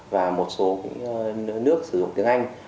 và một số nước sử dụng tiếng anh